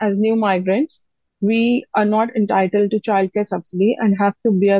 jika anak anak tidak diberi kembali ke rumah